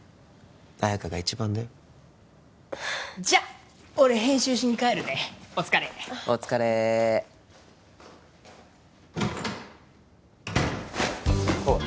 綾華が一番だよじゃっ俺編集しに帰るねお疲れお疲れおい